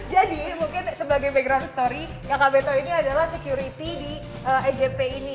jadi mungkin sebagai background story kakak beto ini adalah security di egp ini